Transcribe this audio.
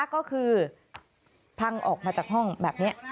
ก็คือพังออกมาจากห้องแบบนี้